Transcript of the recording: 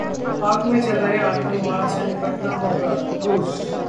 पाक में चल रहे आतंकवाद से निपटना होगा: रूस